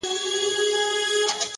چي لمن د شپې خورېږي ورځ تېرېږي-